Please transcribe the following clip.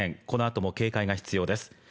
このあとも警戒が必要です。